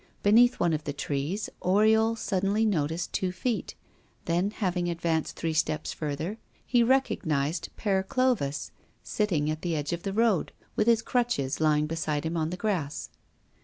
Beneath one of the trees Oriol suddenly noticed two feet, then, having advanced three steps further, he recognized Père Clovis seated at the edge of the road, with his crutches lying beside him on the grass.